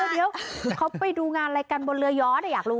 เหลียนเข้าไปดูงานอะไรกันบนเรือยอดที่เหอะอยากรู้